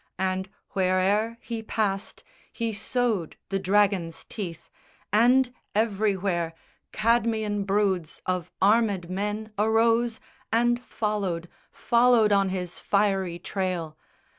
And where'er he passed He sowed the dragon's teeth, and everywhere Cadmean broods of armèd men arose And followed, followed on his fiery trail.